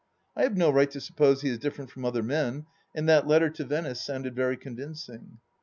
... I have no right to suppose he is different from other men, and that letter to Venice sounded very convincing.